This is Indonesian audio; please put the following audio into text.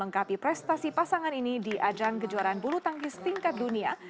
melengkapi prestasi pasangan ini di ajang kejuaraan bulu tangkis tingkat dunia